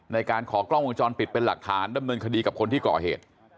ในการขอกล้องวงจรปิดเป็นหลักฐานดำเนินคดีกับคนที่ก่อเหตุ